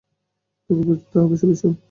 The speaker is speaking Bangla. তোকে বুঝতে হবে, বিশু।